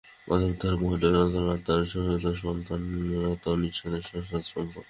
অতএব ধর্ম হইল সনাতন আত্মার সহিত সনাতন ঈশ্বরের শাশ্বত সম্পর্ক।